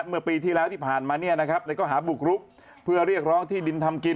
เมื่อปีที่แล้วที่ผ่านมาเนี่ยนะครับในข้อหาบุกรุกเพื่อเรียกร้องที่ดินทำกิน